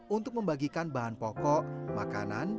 untuk membagikan bahan pokok makanan